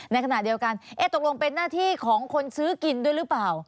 ในขณะเดียวกันตกลงเป็นหน้าที่ของคนซื้อกินด้วยหรือเปล่า